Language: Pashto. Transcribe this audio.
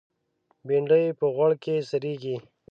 بېنډۍ په غوړ کې سرېږي